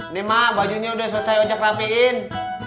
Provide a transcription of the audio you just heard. ini mak bajunya udah selesai ojek rapiin